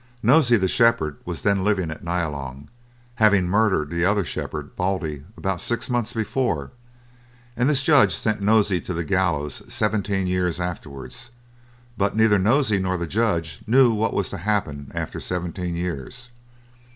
Nosey, the shepherd, was then living at Nyalong, having murdered the other shepherd, Baldy, about six months before, and this judge sent Nosey to the gallows seventeen years afterwards; but neither Nosey nor the judge knew what was to happen after seventeen years.